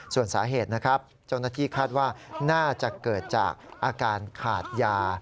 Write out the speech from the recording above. ส่วนสาเหตุนะครับเจ้าหน้าที่คาดว่าน่าจะเกิดจากอาการขาดยา